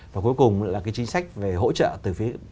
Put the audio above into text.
và cuối cùng là cái chính sách về hỗ trợ từ phía